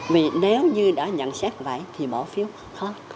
vì nếu như đã nhận xét vậy thì bỏ phiếu hết